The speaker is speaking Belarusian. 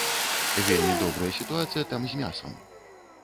Вельмі добрая сітуацыя там з мясам.